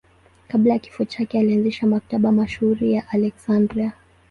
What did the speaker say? Kabla ya kifo chake alianzisha Maktaba mashuhuri ya Aleksandria.